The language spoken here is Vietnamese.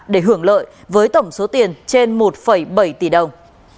để hưởng lợi với tổng số tiền trên một bảy tỷ đồng